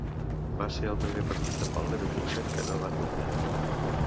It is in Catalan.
Va ser el primer partit amb el Leverkusen que no van guanyar.